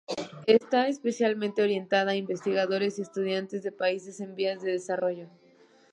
Está especialmente orientada a investigadores y estudiantes de países en vías de desarrollo.